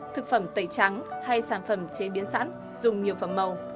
thực phẩm tẩy trắng hay sản phẩm chế biến sẵn dùng nhiều phẩm màu